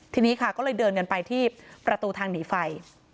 ทีนี้ค่ะก็เลยเดินกันไปที่ประตูทางหนีไฟ